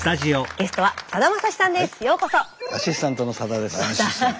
アシスタントのさだです。